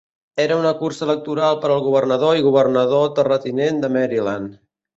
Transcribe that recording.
Era una cursa electoral per al governador i governador terratinent de Maryland.